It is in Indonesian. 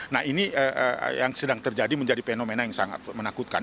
nah ini yang sedang terjadi menjadi fenomena yang sangat menakutkan